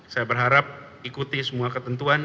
saya berharap ikuti semua ketentuan